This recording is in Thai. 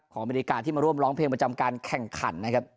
อเมริกาที่มาร่วมร้องเพลงประจำการแข่งขันนะครับ